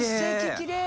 きれい。